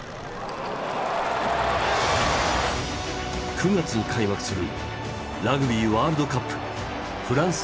９月に開幕するラグビーワールドカップフランス大会。